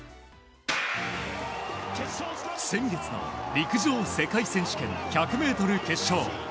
先月の陸上世界選手権１００ｍ決勝。